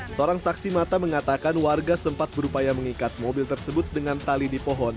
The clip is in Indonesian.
seorang saksi mata mengatakan warga sempat berupaya mengikat mobil tersebut dengan tali di pohon